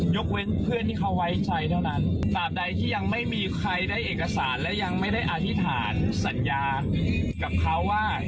ยกเว้นเพื่อนที่เขาไว้ใจเท่านั้นตามใดที่ยังไม่มีใครได้เอกสารและยังไม่ได้อธิษฐานสัญญากับเขาว่า